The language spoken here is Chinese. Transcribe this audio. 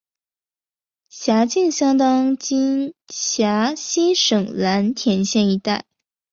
辖境相当今陕西省蓝田县一带。